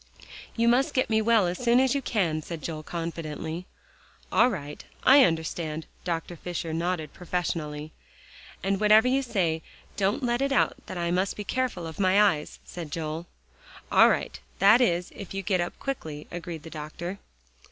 "You must get me well as soon as you can," said Joel confidentially. "All right; I understand," Dr. Fisher nodded professionally. "And whatever you say, don't let it be that I must be careful of my eyes," said Joel. "All right; that is, if you get up quickly," agreed the doctor.